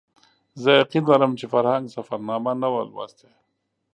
زه یقین لرم چې فرهنګ سفرنامه نه وه لوستې.